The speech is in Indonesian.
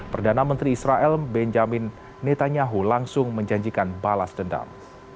perdana menteri israel benjamin netanyahu langsung menjanjikan balas dendam